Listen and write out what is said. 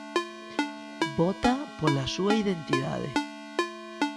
Vota pola súa identidade.